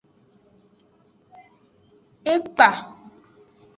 Ekpa.